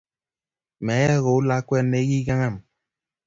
Meyai kou lakwet ne kikingem